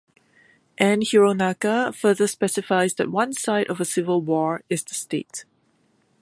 Ann Hironaka further specifies that one side of a civil war is the state.